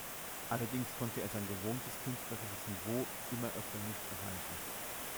Allerdings konnte er sein gewohntes künstlerisches Niveau immer öfter nicht erreichen.